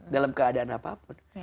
dalam keadaan apapun